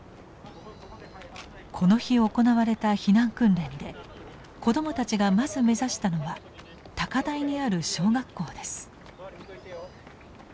この日行われた避難訓練で子どもたちがまず目指したのは高台にある小学校です。